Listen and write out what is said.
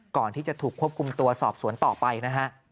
ก่อนที่จะถูกควบคุมตัวสอบสวนต่อไปนะฮะ